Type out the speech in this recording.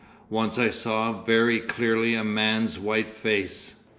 Once I saw very clearly a man's white face....